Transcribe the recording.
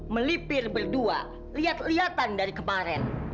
melipir berdua lihat lihatan dari kemarin